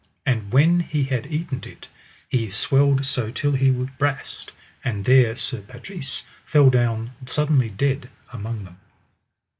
And when he had eaten it he swelled so till he brast, and there Sir Patrise fell down suddenly dead among them.